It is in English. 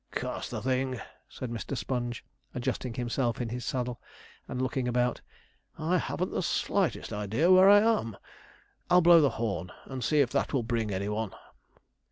'Curse the thing,' said Mr. Sponge, adjusting himself in his saddle, and looking about; 'I haven't the slightest idea where I am. I'll blow the horn, and see if that will bring any one.'